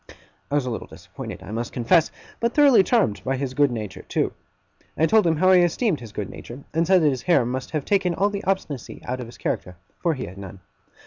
I was a little disappointed, I must confess, but thoroughly charmed by his good nature too. I told him how I esteemed his good nature; and said that his hair must have taken all the obstinacy out of his character, for he had none.